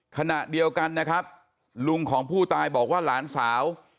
ขณะเดียวกันนะครับลุงของผู้ตายบอกว่าหลานสาว